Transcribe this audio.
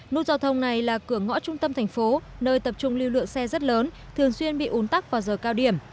nút giao thông này là cửa ngõ trung tâm thành phố nơi tập trung lưu lượng xe rất lớn thường xuyên bị ủn tắc vào giờ cao điểm